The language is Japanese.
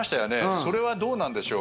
それはどうなんでしょう？